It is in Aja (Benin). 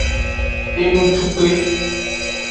Enucukpe.